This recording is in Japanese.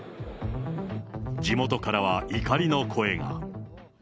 地元からは怒りの声が。